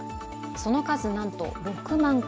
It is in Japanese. その数、なんと６万個。